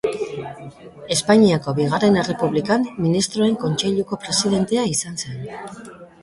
Espainiako Bigarren Errepublikan Ministroen Kontseiluko Presidentea izan zen.